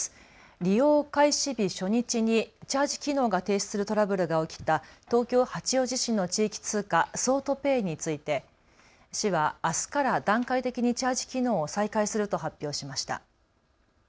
利用開始初日にチャージ機能が停止するトラブルが起きた東京八王子市の地域通貨、桑都ペイについて市はあすから段階的にチャージ機能を再開すると発表しました。